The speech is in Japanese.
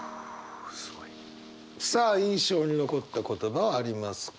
すごい。さあ印象に残った言葉はありますか？